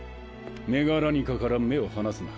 メガラニカから目を離すな。